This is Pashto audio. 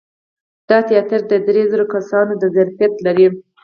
دا تیاتر د درې زره کسانو د ظرفیت لري.